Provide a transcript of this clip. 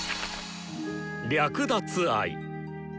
略奪愛。